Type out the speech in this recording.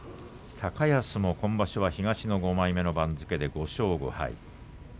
高安は東の５枚目の番付で５勝５敗。